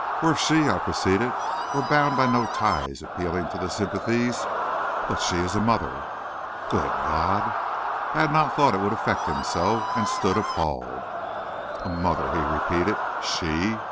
"Or if she," I proceeded, "were bound by no ties appealing to the sympathies! But she is a mother " "Good God!" I had not thought it would affect him so, and stood appalled. "A mother!" he repeated; "she!